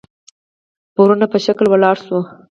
برونو په مشکل ولاړ شو.